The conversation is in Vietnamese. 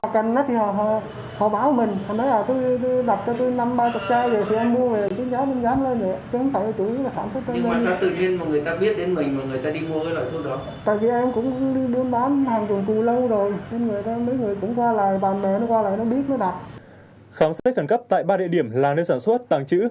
khám xét khẩn cấp tại ba địa điểm là nơi sản xuất tàng trữ